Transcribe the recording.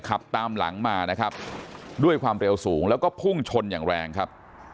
ขับตามหลังมานะครับด้วยความเร็วสูงแล้วก็พุ่งชนอย่างแรงครับ